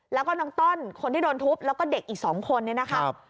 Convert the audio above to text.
แล้วก็น้องต้อนคนที่โดนทุบแล้วก็เด็กอีก๒คนเนี่ยนะครับ